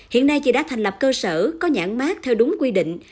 hiện nay chị đã thành lập cơ sở có nhãn mát theo đúng quy định